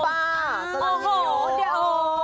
โอ้โหเดี๋ยว